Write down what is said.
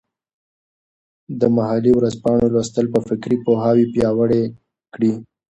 د محلي ورځپاڼو لوستل به فکري پوهاوي پیاوړی کړي.